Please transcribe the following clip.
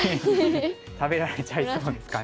食べられちゃいそうですかね。